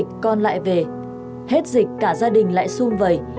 hết dịch con lại về hết dịch cả gia đình lại sung vầy